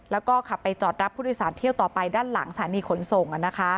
แล้วก็ขับไปจอดรับผู้โดยสารเที่ยวต่อไปด้านหลังสถานีขนส่ง